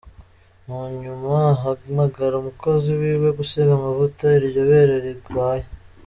Munyuma ahamagara umukozi wiwe gusiga amavuta iryo bere 'rigwaye'.